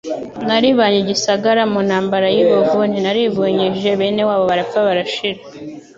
naribanye igisagara mu ntambara y'ibuvune, narivunyije bene wabo barapfa barashira